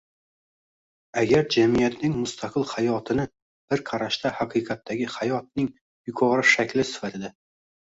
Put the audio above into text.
agar “jamiyatning mustaqil hayoti”ni bir qarashda “haqiqatdagi hayot” ning “yuqori shakli” sifatida